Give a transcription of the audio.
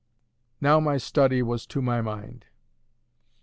Now my study was to my mind.